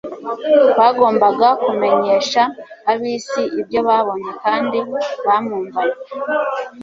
bagombaga kumenyesha ab'isi ibyo babonye kandi bamwumvanye.